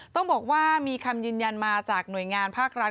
ต้องบอกว่ามีคำยืนยันมาจากหน่วยงานภาครัฐ